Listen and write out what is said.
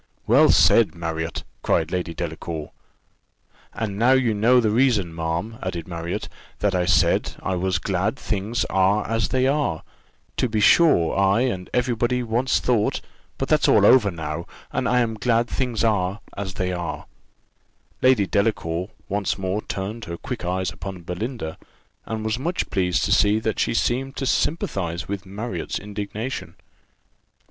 "Well said, Marriott," cried Lady Delacour. "And now you know the reason, ma'am," added Marriott, "that I said, I was glad things are as they are. To be sure I and every body once thought but that's all over now and I am glad things are as they are." Lady Delacour once more turned her quick eyes upon Belinda, and was much pleased to see that she seemed to sympathize with Marriott's indignation.